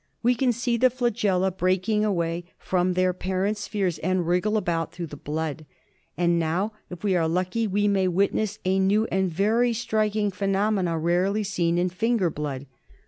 We can see the flagella break away from their parent spheres and wriggle about through the blood. And now, if we are lucky, we may witness a new and very striking phenomenon rarely seen in finger blood.